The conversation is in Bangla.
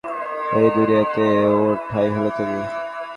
এই দুনিয়াতে ওর ঠাই হলে তুমি।